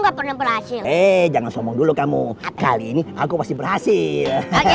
nggak pernah berhasil eh jangan sombong dulu kamu kali ini aku masih berhasil